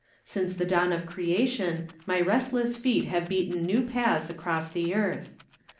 Since the dawn of creation my restless feet have beaten new paths across the earth.